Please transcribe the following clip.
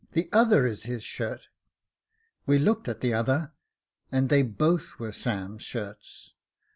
The other is his shirt.' We looked at the other, and they, both were Sam's shirts.